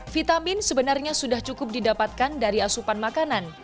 vitamin sebenarnya sudah cukup didapatkan dari asupan makanan